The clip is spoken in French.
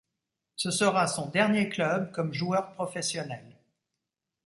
Ce sera son dernier club comme joueur professionnel.